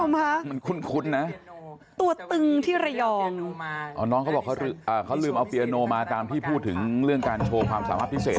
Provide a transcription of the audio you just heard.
มันคุ้นนะตัวตึงที่ระยองอ๋อน้องเขาบอกเขาลืมเอาเปียโนมาตามที่พูดถึงเรื่องการโชว์ความสามารถพิเศษ